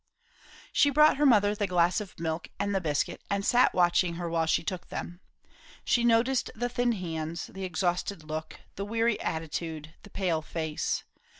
She brought her mother the glass of milk and the biscuit and sat watching her while she took them. She noticed the thin hands, the exhausted look, the weary attitude, the pale face.